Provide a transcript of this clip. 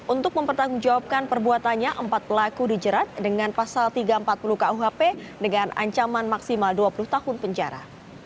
untuk mempertanggungjawabkan perbuatannya empat pelaku dijerat dengan pasal tiga ratus empat puluh kuhp dengan ancaman maksimal dua puluh tahun penjara